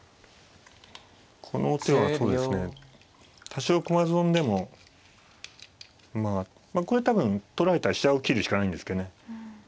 この手はそうですね多少駒損でもまあこれ多分取られたら飛車を切るしかないんですけどね。